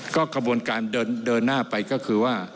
ก็กระบวนการเดินหน้าไปก็คือว่า